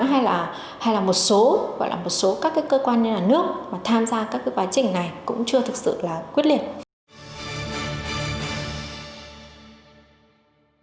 hay là một số các cơ quan như là nước mà tham gia các quá trình này cũng chưa thực sự là quyết liệt